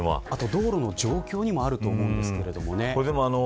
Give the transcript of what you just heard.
道路の状況にもよると思いますけれどもね。